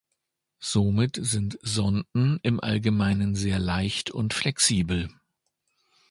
Somit sind Sonden im Allgemeinen sehr leicht und flexibel.